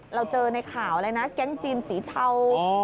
เราเจอในข่าวเลยนะแก๊งจีนสีเทา